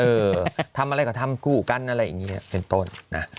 เออทำอะไรก็ทำคู่กันอะไรอย่างนี้เป็นต้นนะ